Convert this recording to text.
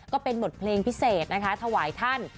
ก็เป็นบทเพลงพิเศษนะคะถวายท่าน